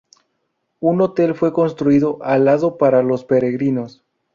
Un hotel fue construido al lado para los peregrinos.